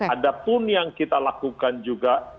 ada pun yang kita lakukan juga